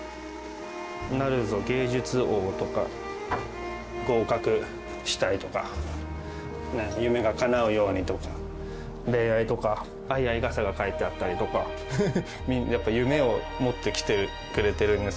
「なるぞ芸術王！」とか「合格したい」とか「夢がかなうように」とか恋愛とか相合い傘がかいてあったりとかフフッやっぱ夢を持って来てくれてるんです。